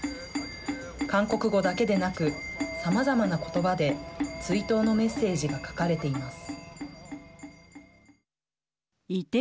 韓国語だけでなくさまざまな言葉で追悼のメッセージが書かれています。